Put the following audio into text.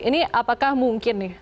ini apakah mungkin nih